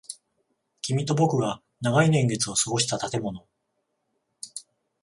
君と僕が長い年月を過ごした建物。